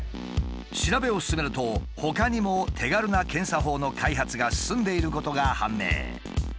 調べを進めるとほかにも手軽な検査法の開発が進んでいることが判明。